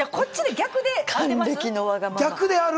逆でやる？